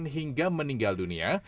hingga meninggal dunia